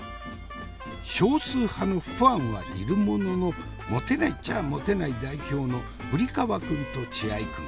少数派のファンはいるもののモテないっちゃモテない代表のぶり皮くんと血合いくん。